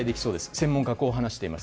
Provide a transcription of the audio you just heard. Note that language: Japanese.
専門家はこう話しています。